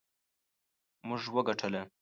موږ وګټله